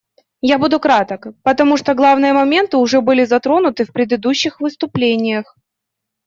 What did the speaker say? Я буду краток, потому что главные моменты уже были затронуты в предыдущих выступлениях.